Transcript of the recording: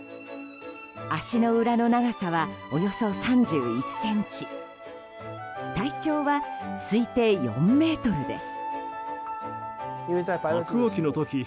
足の裏の長さは、およそ３１ｃｍ体長は推定４ｍです。